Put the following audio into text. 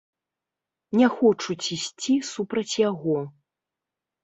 Не хочуць ісці супраць яго.